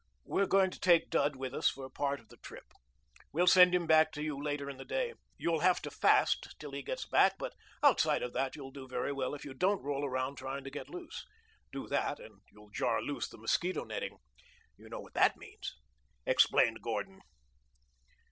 "We're going to take Dud with us for a part of the trip. We'll send him back to you later in the day. You'll have to fast till he gets back, but outside of that you'll do very well if you don't roll around trying to get loose. Do that, and you'll jar loose the mosquito netting. You know what that means," explained Gordon.